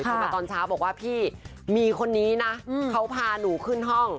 เข้ามาตอนเช้าบอกว่าพี่มีคนนี้นะเขาพาหนูขึ้นห้อง